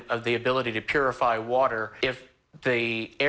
แล้วจะต้องการติดต่อไป